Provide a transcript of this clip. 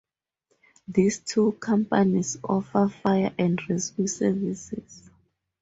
These two companies offer fire and rescue services.